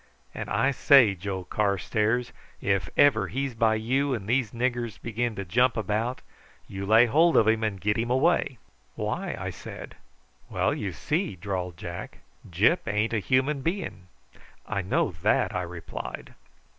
And I say, Joe Carstairs, if ever he's by you and these niggers begin to jump about, you lay hold of him and get him away." "Why?" I said. "Well, you see," drawled Jack, "Gyp ain't a human being." "I know that," I replied.